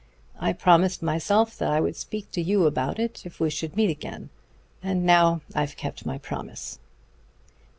I promised myself that I would speak to you about it if we should meet again; and now I've kept my promise."